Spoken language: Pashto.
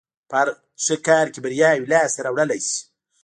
په هر ښه کار کې برياوې لاس ته راوړلای شي.